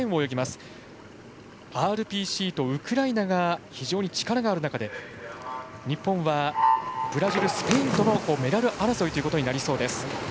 ＲＰＣとウクライナが非常に力がある中で日本はブラジルとスペインとのメダル争いとなりそうです。